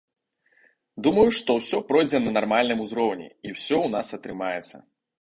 Думаю, што ўсё пройдзе на нармальным узроўні, і ўсё ў нас атрымаецца!